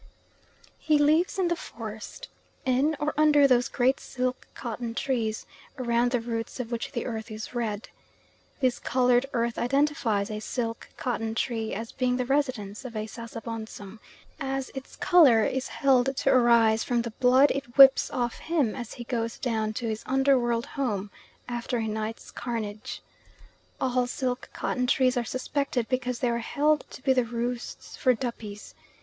He lives in the forest, in or under those great silk cotton trees around the roots of which the earth is red. This coloured earth identifies a silk cotton tree as being the residence of a Sasabonsum, as its colour is held to arise from the blood it whips off him as he goes down to his under world home after a night's carnage. All silk cotton trees are suspected because they are held to be the roosts for Duppies.